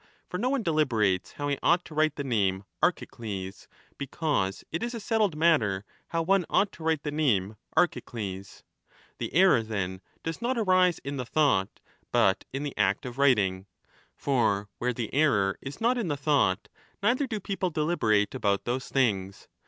For no one deliberates how he ought to write the name Archicles, because it is 20 a settled matter how one ought to write the name Archi cles. The error, then, does not arise in the thought, but in the act of writing. For where the error is not in the thought, neither do people deliberate about those things.